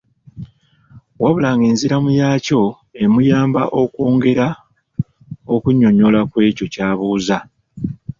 Wabula ng’enziramu yaakyo emuyamba okwongera okunnyonnyolwa ku ekyo ky’abuuza.